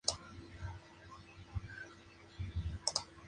Bordura general de oro, plena.